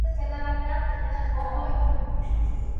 Sus flores son blanquecinas y pequeñas.